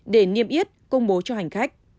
để niêm yết công bố cho hành khách